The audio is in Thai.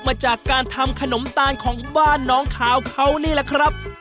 มาจากการทำขนมตาลของบ้านน้องขาวเขานี่แหละครับ